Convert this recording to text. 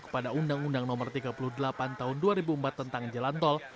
kepada undang undang no tiga puluh delapan tahun dua ribu empat tentang jalan tol